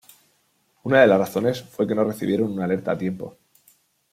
Una de las razones fue que no recibieron una alerta a tiempo.